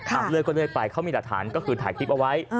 เลือดก็เลื่อยไปเขามีหลักฐานก็คือถ่ายคลิปเอาไว้